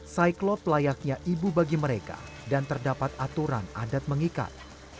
saiklop layaknya ibu bagi mereka dan terdapat aturan adat mengikat